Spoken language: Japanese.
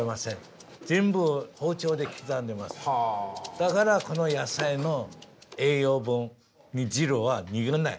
だから野菜の栄養分煮汁は逃げない。